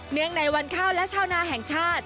งในวันข้าวและชาวนาแห่งชาติ